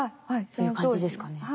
そういう感じですかね？